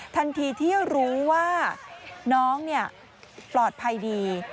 ทันทีที่รู้ว่าน้องปลอดภัยดี